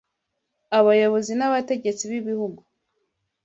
Abayobozi n’abategetsi b’ibihugu